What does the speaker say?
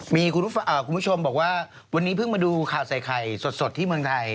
มีคุณผู้ชมบอกว่าวันนี้เพิ่งมาดูข่าวใส่ไข่สดที่เมืองไทย